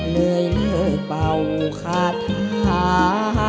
เลยเลิกเป่าคาท้า